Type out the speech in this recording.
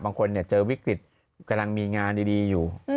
บางคนเจอวิกฤตกำลังมีงานดีอยู่